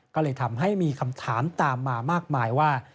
ก็เลยทำให้มีคำถามตามมามากมายว่า